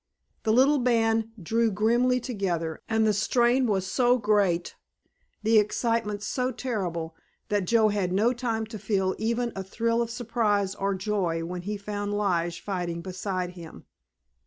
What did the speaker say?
The little band drew grimly together, and the strain was so great, the excitement so terrible, that Joe had no time to feel even a thrill of surprise or joy when he found Lige fighting beside him.